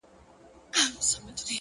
د کړکۍ پر شیشه د لاس نښه ژر ورکه شي,